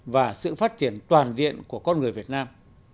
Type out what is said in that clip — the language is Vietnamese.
và sự phát triển toàn diện của con người việt nam